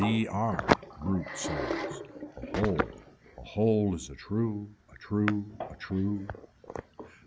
B r, brute says. A hole, a hole is a true, a true, a true.